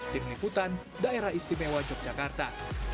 tim liputan daerah istimewa yogyakarta